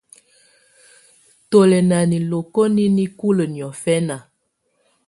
Tù lɛ̀ nà niloko nɛ̀ nikulǝ́ niɔ̀fɛna.